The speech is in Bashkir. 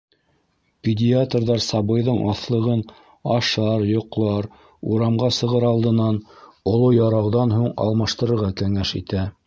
Педиатрҙар сабыйҙың аҫлығын ашар, йоҡлар, урамға сығыр алдынан, оло ярауҙан һуң алмаштырырға кәңәш итә.